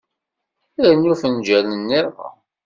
Rnu afenǧal niḍen.